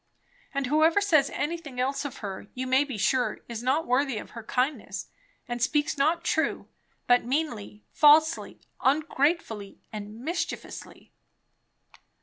And whoever says anything else of her, you may be sure is not worthy of her Kindness; and speaks not true, but meanly, falsely, ungratefully, and mischievously!"